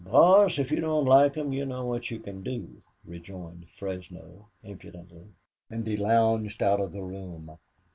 "Boss, if you don't like 'em you know what you can do," rejoined Fresno, impudently, and he lounged out of the room.